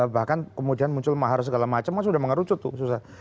bahkan kemudian muncul mahar segala macam sudah mengerucut tuh